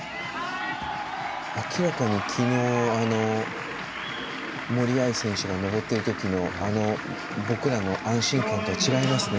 明らかに、昨日森秋彩選手が登っている時のあの僕らの安心感とは違いますね